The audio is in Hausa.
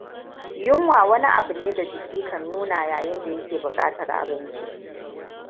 Yunwa wani abu ne da jiki kan nuna yayin da yake buƙatar abinci.